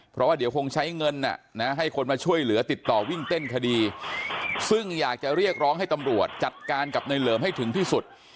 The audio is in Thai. เพราะว่าเดี๋ยวคงใช้เงินให้คนมาช่วยเหลือติดต่อวิ่งเต้นคดีซึ่งอยากจะเรียกร้องให้ตำรวจจัดการกับในเหลิมให้ถึงที่สุด